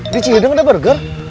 di cihideng ada burger